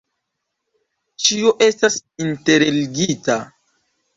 Ĉio estas interligita.